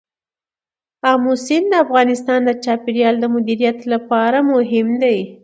آمو سیند د افغانستان د چاپیریال د مدیریت لپاره مهم دی.